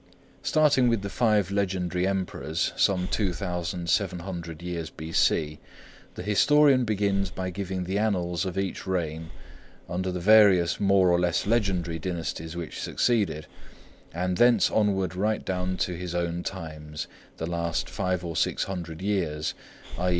Starting with the five legendary Emperors, some 2700 years B.C., the historian begins by giving the annals of each reign under the various more or less legendary dynasties which succeeded, and thence onward right down to his own times, the last five or six hundred years, _i.